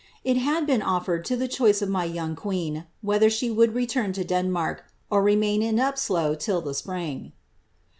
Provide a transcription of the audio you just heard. It had been offered to the choice of my young queen, whether •he would return to Denmark, or remain in Upslo till the spring."